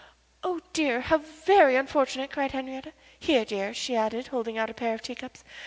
"Oh, dear, how very unfortunate!" cried Henriette. "Here, dear," she added, holding out a pair of teacups.